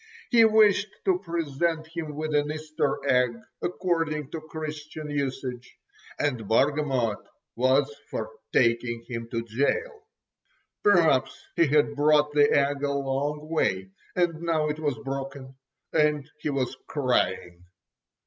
He wished to present him with an Easter egg according to Christian usage, and Bargamot was for taking him to gaol. Perhaps he had brought the egg a long way, and now it was broken—and he was crying.